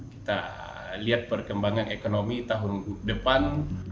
kita lihat perkembangan ekonomi tahun depan